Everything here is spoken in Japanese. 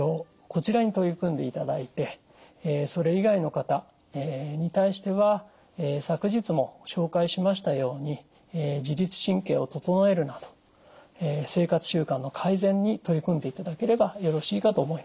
こちらに取り組んでいただいてそれ以外の方に対しては昨日も紹介しましたように自律神経を整えるなど生活習慣の改善に取り組んでいただければよろしいかと思います。